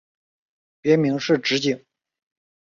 别名是直景。